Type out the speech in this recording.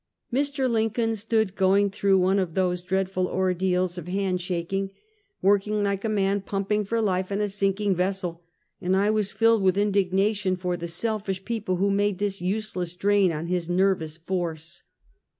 Mr. Lincoln stood going through one of those, dreadful ordeals of hand shaking, working like a man pumping for life on a sinking vessel, and I was filled with indignation for the selfish people who made this useless drain on his nervous force.